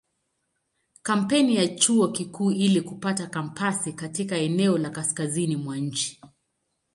Kampeni ya Chuo Kikuu ili kupata kampasi katika eneo la kaskazini mwa nchi.